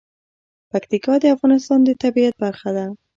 پکتیکا د افغانستان د طبیعت برخه ده.